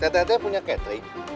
teteh punya catering